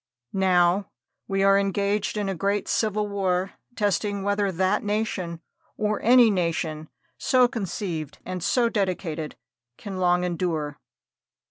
Now, we are engaged in a great civil war, testing whether that nation, or any nation, so conceived and so dedicated, can long endure.